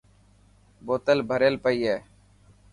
بوتل ڀريل پئي هي.